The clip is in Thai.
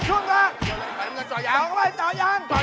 จั๊วลุมยังไงก็ไม่โยน